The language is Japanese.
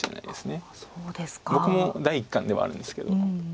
僕も第一感ではあるんですけども。